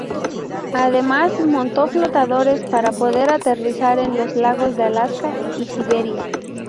Además, montó flotadores para poder aterrizar en los lagos de Alaska y Siberia.